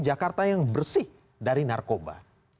jakarta yang bersih dari narkoba